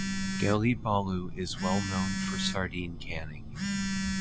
Gelibolu is well known for sardine canning.